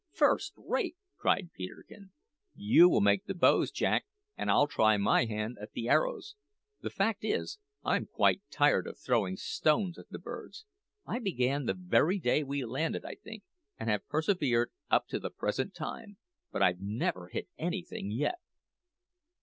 "First rate!" cried Peterkin. "You will make the bows, Jack, and I'll try my hand at the arrows. The fact is, I'm quite tired of throwing stones at the birds. I began the very day we landed, I think, and have persevered up to the present time, but I've never hit anything yet."